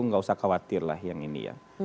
tidak usah khawatirlah yang ini ya